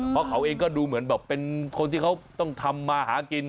เพราะเขาเองก็ดูเหมือนแบบเป็นคนที่เขาต้องทำมาหากิน